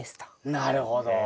なるほど。